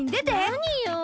なによ？